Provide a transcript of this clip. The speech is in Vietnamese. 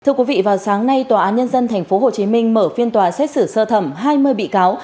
thưa quý vị vào sáng nay tòa án nhân dân tp hcm mở phiên tòa xét xử sơ thẩm hai mươi bị cáo